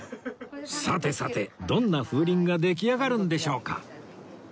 さてさてどんな風鈴が出来上がるんでしょうか？